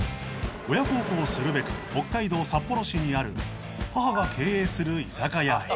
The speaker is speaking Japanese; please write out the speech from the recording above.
親孝行をするべく北海道札幌市にある母が経営する居酒屋へ